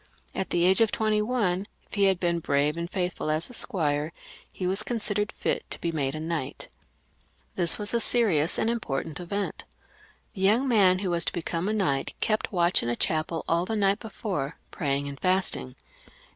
At the age of twenty one, if he had been brave and faithful as a squire, he was considered fit to be made a knight This was a serious and important event. The young man who was to become a knight kept watch in a chapel all the night before, praying and fasting.